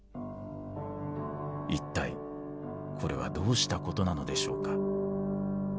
いったいこれはどうしたことなのでしょうか。